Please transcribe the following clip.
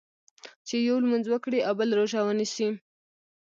چې یو لمونځ وکړي او بل روژه ونیسي.